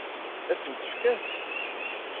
Ad sent-tt-fkent?